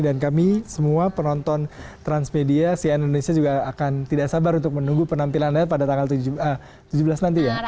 dan kami semua penonton transmedia cn indonesia juga akan tidak sabar untuk menunggu penampilan anda pada tanggal tujuh belas nanti ya